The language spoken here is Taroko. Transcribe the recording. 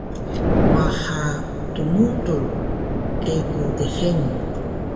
maha dmudul egu dhenu